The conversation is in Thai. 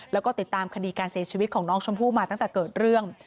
แล้วก็ติดตามคดีการเสียชีวิตของน้องชมพู่มาตั้งแต่เกิดเรื่อง